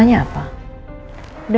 ini tidak ada